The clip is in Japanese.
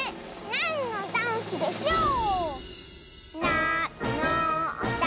「なんのダンスでしょう」